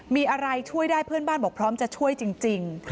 มีอะไรช่วยได้เพื่อนบ้านบอกพร้อมจะช่วยจริง